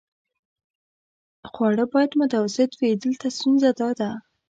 خواړه باید متوسط وي، دلته ستونزه داده.